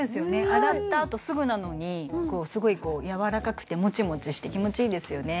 洗ったあとすぐなのにすごいやわらかくてモチモチして気持ちいいですよね